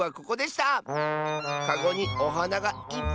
かごにおはながいっぱい！